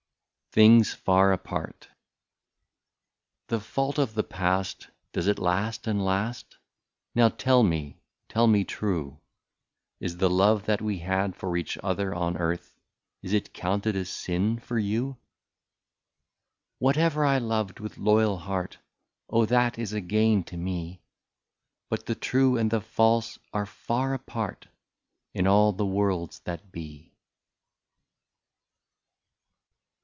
'' 173 THINGS FAR APART. " The fault of the past — does it last and last ?" Now tell me, tell me true, — Is the love that we had for each other on earth, Is it counted a sin for you ?" Whatever I loved with loyal heart, Oh ! that is a gain to me ; But the true and the false are far apart, In all the worlds that be.'